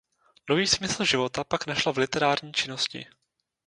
Nový smysl života pak našla v literární činnosti.